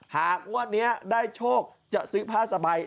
งวดนี้ได้โชคจะซื้อผ้าสบาย